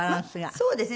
そうですね。